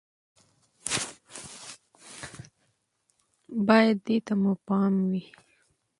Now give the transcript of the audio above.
بايد دې ته مو پام وي